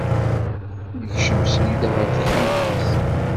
Yekcem srid ɣer texxamt-is.